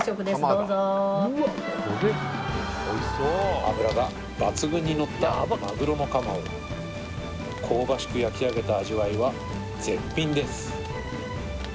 どうぞ脂が抜群にのったマグロのカマを香ばしく焼き上げた味わいは絶品です